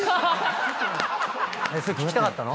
それ聞きたかったの？